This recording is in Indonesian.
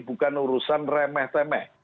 bukan urusan remeh temeh